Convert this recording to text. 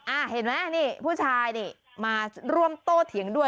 เห็นไหมนี่ผู้ชายนี่มาร่วมโตเถียงด้วย